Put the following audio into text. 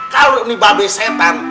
kalo ini babe setan